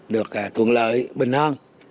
được thuận lợi bình an